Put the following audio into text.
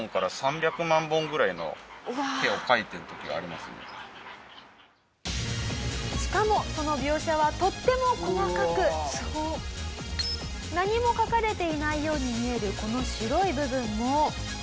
なのでしかもその描写はとっても細かく何も描かれていないように見えるこの白い部分も。